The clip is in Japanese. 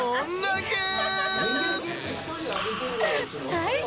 最高！